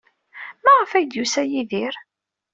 Maɣef ay d-yusa Yidir?